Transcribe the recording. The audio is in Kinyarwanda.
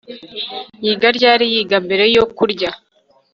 Yiga ryari Yiga mbere yo kurya